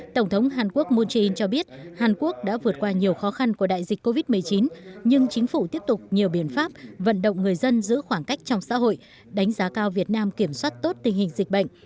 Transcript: tổng thống hàn quốc moon jae in cho biết hàn quốc đã vượt qua nhiều khó khăn của đại dịch covid một mươi chín nhưng chính phủ tiếp tục nhiều biện pháp vận động người dân giữ khoảng cách trong xã hội đánh giá cao việt nam kiểm soát tốt tình hình dịch bệnh